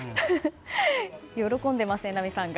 喜んでます、榎並さんが。